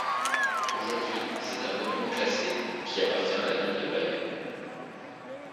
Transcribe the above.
Aujourd'hui, c'est un monument classé, qui appartient à la ville de Bayonne.